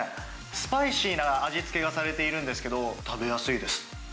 スパイシーな味付けがされているんですけど、食べやすいです。